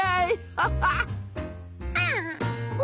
ハハハハ。